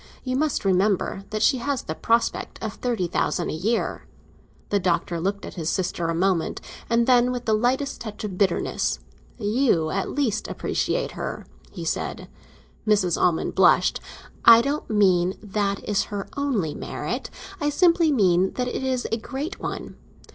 You must remember that she has the prospect of thirty thousand a year." The Doctor looked at his sister a moment, and then, with the slightest touch of bitterness: "You at least appreciate her," he said. Mrs. Almond blushed. "I don't mean that is her only merit; I simply mean that it is a great one.